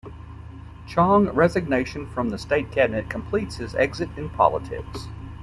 Chong resignation from the state cabinet completes his exit in politics.